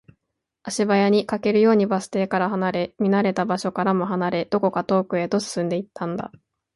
足早に、駆けるようにバス停から離れ、見慣れた場所からも離れ、どこか遠くへと進んでいったんだ